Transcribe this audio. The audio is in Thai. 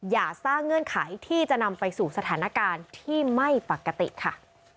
อย่าสร้างเงื่อนไขที่จะนำไปสู่สถานการณ์ที่ไม่ปกติค่ะ